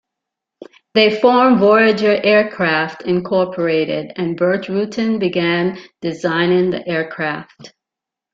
They formed Voyager Aircraft, Incorporated and Burt Rutan began designing the aircraft.